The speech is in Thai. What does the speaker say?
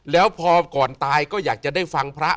แล้วพอก่อนตายก็อยากจะได้ฟังพระ